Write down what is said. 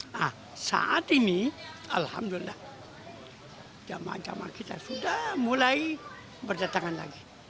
nah saat ini alhamdulillah jamaah jamaah kita sudah mulai berdatangan lagi